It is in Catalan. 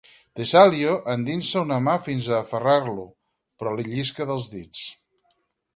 Tesalio endinsa una mà fins a aferrar-lo, però li llisca dels dits.